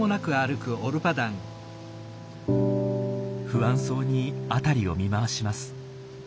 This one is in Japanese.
不安そうに辺りを見回します。